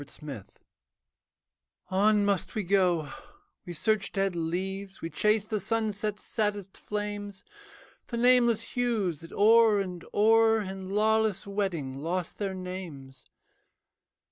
ART COLOURS On must we go: we search dead leaves, We chase the sunset's saddest flames, The nameless hues that o'er and o'er In lawless wedding lost their names.